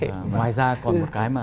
ngoài ra còn một cái mà